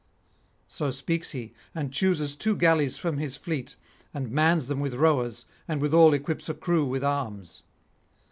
So speaks he, and chooses two galleys from his fleet, and mans them with rowers, and withal equips a crew with arms.